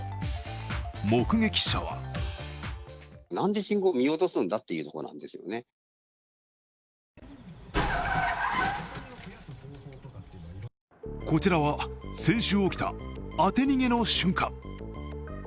目撃者はこちらは先週起きた当て逃げの瞬間。